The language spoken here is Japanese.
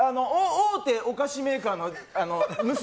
大手お菓子メーカーの娘。